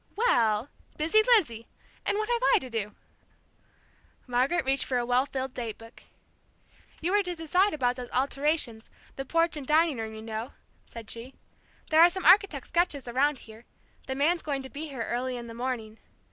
"Well busy Lizzie! And what have I to do?" Margaret reached for a well filled date book. "You were to decide about those alterations, the porch and dining room, you know," said she. "There are some architect's sketches around here; the man's going to be here early in the morning.